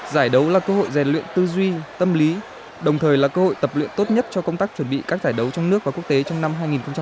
giải đấu là cơ hội rèn luyện tư duy tâm lý đồng thời là cơ hội tập luyện tốt nhất cho công tác chuẩn bị các giải đấu trong nước và quốc tế trong năm hai nghìn hai mươi